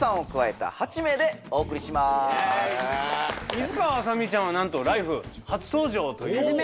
水川あさみちゃんはなんと「ＬＩＦＥ！」初登場ということですが。